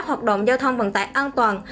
học động giao thông vận tải an toàn